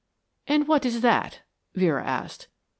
"And what is that?" Vera asked.